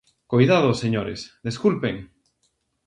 Coidado, señores, desculpen...